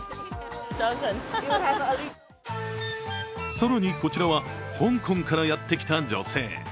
更に、こちらは香港からやってきた女性。